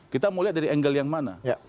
kita mau lihat dari angle yang mana